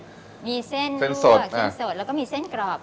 มีเส้นลั่วเส้นสดแล้วก็มีเส้นกรอบ